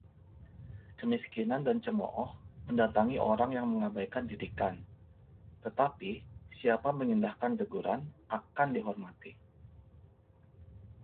Kemiskinan dan cemooh mendatangi orang yang mengabaikan didikan, tetapi siapa mengindahkan teguran akan dihormati.